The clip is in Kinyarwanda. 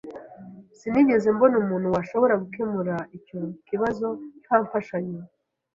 Sinigeze mbona umuntu washobora gukemura icyo kibazo nta mfashanyo.